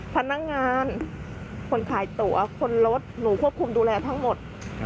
พนักงานคนขายตัวคนรถหนูควบคุมดูแลทั้งหมด